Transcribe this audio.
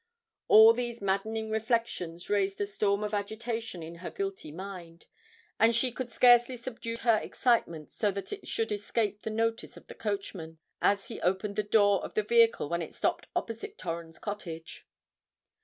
All these maddening reflections raised a storm of agitation in her guilty mind; and she could scarcely subdue her excitement so that it should escape the notice of the coachman, as he opened the door of the vehicle when it stopped opposite Torrens Cottage.